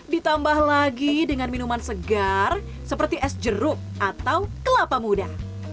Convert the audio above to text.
ditambah lagi dengan minuman segar seperti es jeruk atau kelapa muda